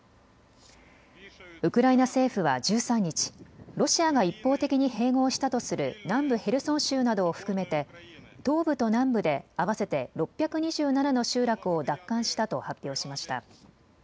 ウクライナ政府は１３日、ロシアが一方的に併合したとする南部ヘルソン州などを含めて東部と南部で合わせて６２７の集落を奪還したと発表しました。